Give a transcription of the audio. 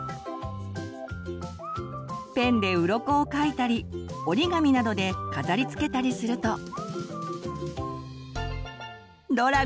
ペンでうろこを描いたり折り紙などで飾りつけたりするとドラゴンの出来上がり！